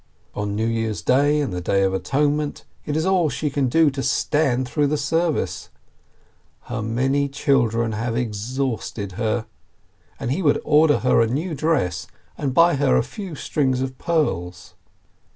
On New Year's Day and the Day of Atonement it is all she can do to stand through the service. Her many chil dren have exhausted her! And he would order her a new dress, and buy her a few strings of pearls.